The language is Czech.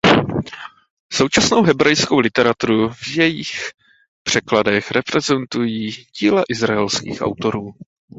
Současnou hebrejskou literaturu v jejích překladech reprezentují díla izraelských autorů.